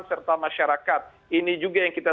serta masyarakat ini juga yang kita